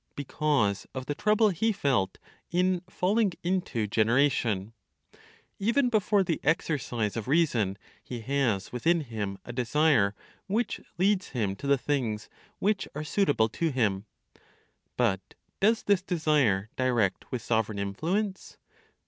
Because of the trouble he felt in falling into generation. Even before the exercise of reason, he has within him a desire which leads him to the things which are suitable to him. But does this desire direct with sovereign influence?